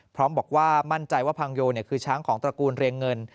พร้อมบอกว่ามั่นใจว่าพังโยคือช้างของตระกูลเรียงเงิน